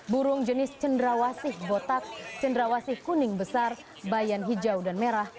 burung jenis cendrawasih botak cenderawasi kuning besar bayan hijau dan merah